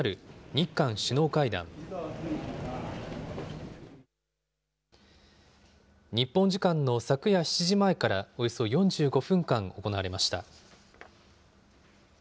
日本時間の昨夜７時前からおよそ４５分間、行われました。